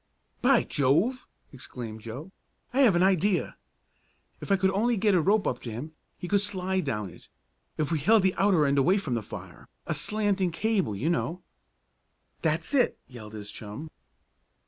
"By Jove!" exclaimed Joe. "I have an idea. If I could only get a rope up to him he could slide down it, if we held the outer end away from the fire a slanting cable you know." "That's it!" yelled his chum.